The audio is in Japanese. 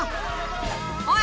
［おい！